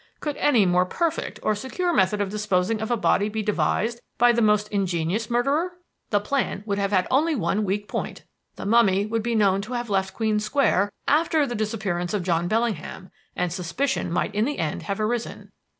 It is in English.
Could any more perfect or secure method of disposing of a body be devised by the most ingenious murderer? The plan would have had only one weak point: the mummy would be known to have left Queen Square after the disappearance of John Bellingham, and suspicion might in the end have arisen.